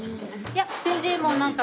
いや全然もうなんか。